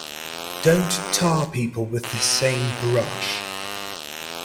Don't tar people with the same brush.